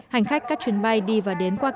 hành khách các chuyến bay đi và đến quảng ninh